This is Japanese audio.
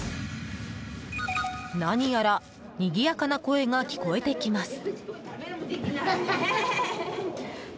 何やら、にぎやかな声が聞こえてきます。